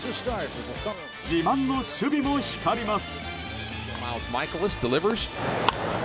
自慢の守備も光ります。